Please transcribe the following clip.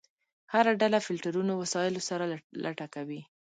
هر ډله فلټرونو وسایلو سره لټه کوي.